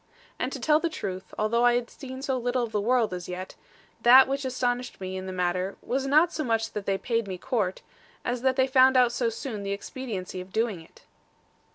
And to tell the truth, although I had seen so little of the world as yet, that which astonished me in the matter, was not so much that they paid me court, as that they found out so soon the expediency of doing it.